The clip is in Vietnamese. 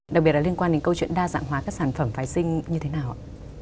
đặc biệt là liên quan đến câu chuyện đa dạng hóa các sản phẩm phái sinh như thế nào ạ